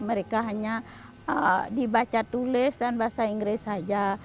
mereka hanya dibaca tulis dan bahasa inggris saja